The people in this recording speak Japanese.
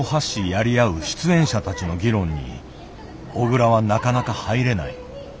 やり合う出演者たちの議論に小倉はなかなか入れない。